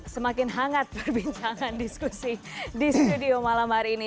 semakin hangat perbincangan diskusi di studio malam hari ini